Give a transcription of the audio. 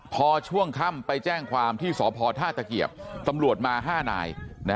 พอช่วงค่ำไปแจ้งความที่สพท่าตะเกียบตำรวจมา๕นาย